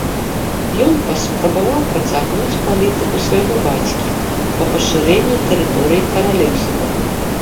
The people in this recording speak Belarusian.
Ён паспрабаваў працягнуць палітыку свайго бацькі па пашырэнні тэрыторыі каралеўства.